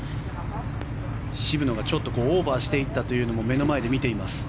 渋野がオーバーしていったというのも目の前で見ています。